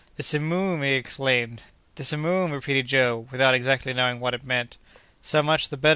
"The simoom!" he exclaimed. "The simoom!" repeated Joe, without exactly knowing what it meant. "So much the better!"